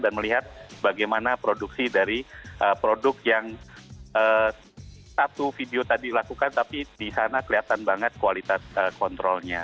dan melihat bagaimana produksi dari produk yang satu video tadi lakukan tapi di sana kelihatan banget kualitas kontrolnya